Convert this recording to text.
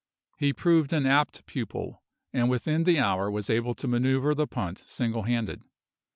He proved an apt pupil, and within the hour was able to manoeuvre the punt single handed.